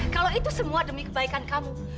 kalau itu semua demi kebaikan kamu